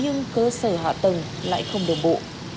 nhưng cơ sở hạ tầng lại không đồng bộ